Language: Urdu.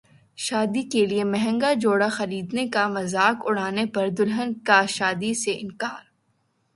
شادی کیلئے مہنگا جوڑا خریدنے کا مذاق اڑانے پر دلہن کا شادی سے انکار